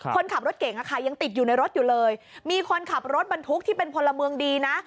คนขับรถเก่งอะค่ะยังติดอยู่ในรถอยู่เลยมีคนขับรถบรรทุกที่เป็นพลเมืองดีนะ